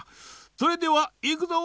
それではいくぞ！